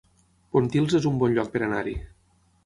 Pontils es un bon lloc per anar-hi